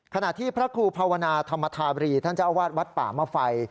ขณะที่พระครูภาวนาธรรมธาบรีท่านเจ้าอาวาสวัดป่ามไฟ